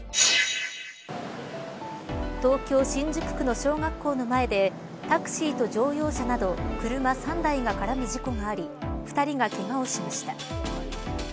東京、新宿区の小学校の前でタクシーと乗用車など車３台が絡む事故があり２人がけがをしました。